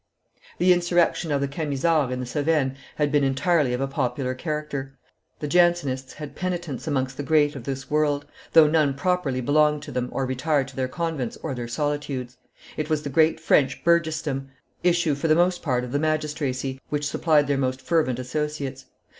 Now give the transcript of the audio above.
The insurrection of the Camisards, in the Cevennes, had been entirely of a popular character; the Jansenists had penitents amongst the great of this world, though none properly belonged to them or retired to their convents or their solitudes; it was the great French burgessdom, issue for the most part of the magistracy, which supplied their most fervent associates.